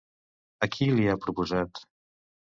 A qui li ha proposat?